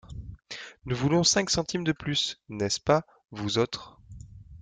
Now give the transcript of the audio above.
Nous voulons cinq centimes de plus, n’est-ce pas, vous autres?